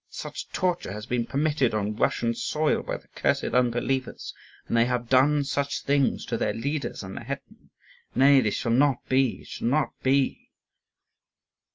such torture has been permitted on Russian soil by the cursed unbelievers! And they have done such things to the leaders and the hetman? Nay, this shall not be, it shall not be."